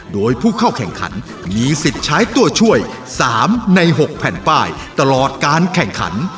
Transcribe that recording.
โดยผู้เข้าแข่งขันมีสิทธิ์ใช้ตัวช่วย๓ใน๖แผ่นป้ายตลอดการแข่งขัน